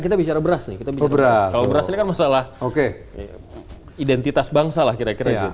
kalau beras sebenarnya kan masalah identitas bangsa lah kira kira gitu